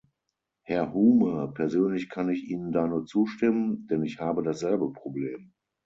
Herr Hume, persönlich kann ich Ihnen da nur zustimmen, denn ich habe dasselbe Problem.